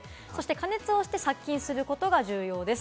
加熱をして殺菌することが重要です。